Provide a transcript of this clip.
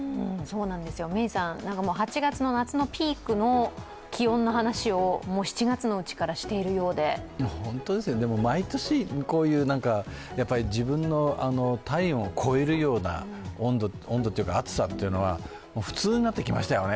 メイさん、８月の夏のピークの気温の話をもう７月のうちからしているようで毎年、こういう自分の体温を超えるような暑さというのは普通になってきましたよね。